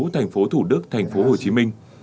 thành phố thủ đức thành phố hồ chí minh